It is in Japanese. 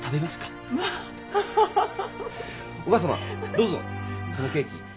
どうぞこのケーキ。